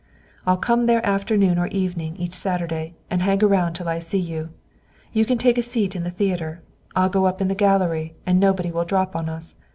"I'll come there afternoon or evening each Saturday, and hang around till I see you. You can take a seat in the theater. I'll go up in the gallery, and nobody will drop on us.